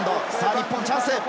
日本チャンス。